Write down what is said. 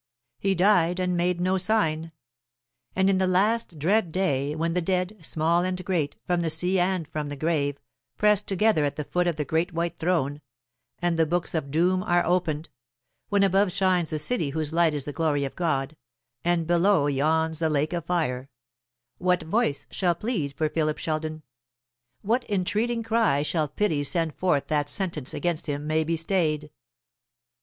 He died and made no sign. And in the last dread day, when the dead, small and great, from the sea and from the grave, press together at the foot of the great white Throne, and the books of doom are opened; when above shines the city whose light is the glory of God, and below yawns the lake of fire, what voice shall plead for Philip Sheldon, what entreating cry shall Pity send forth that sentence against him may be stayed?